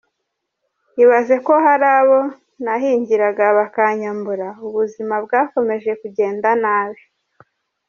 Ibaze ko hari abo nahingiraga bakanyambura, ubuzima bwakomeje kugenda nabi.